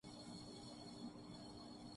تمہاری تہذیب اپنے خنجر سے آپ ہی خودکشی کرے گی